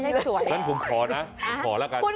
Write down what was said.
ขอขอยารสมหวังเลยคุณ